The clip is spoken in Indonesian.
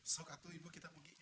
sok atu ibu kita pergi